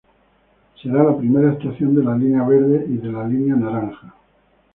Será la primera estación de la Línea Verde y de la Línea Naranja.